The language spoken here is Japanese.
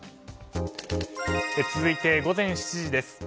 続いて午前７時です。